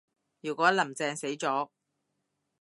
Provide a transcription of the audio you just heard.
如果林鄭死咗